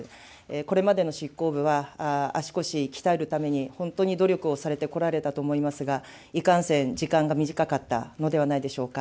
これまでの執行部は、足腰、鍛えるために本当に努力をされてこられたと思いますが、いかんせん時間が短かったのではないでしょうか。